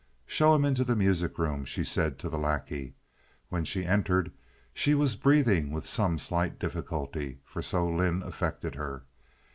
"Show him into the music room," she said to the lackey. When she entered she was breathing with some slight difficulty, for so Lynde affected her.